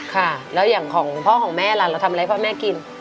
ค่ะแล้วอย่างของพ่อของแม่ล่ะเราทำอะไรพ่อแม่กิน